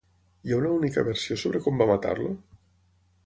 Hi ha una única versió sobre com va matar-lo?